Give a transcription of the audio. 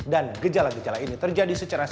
dan gejala gejala ini terjadi secara sifat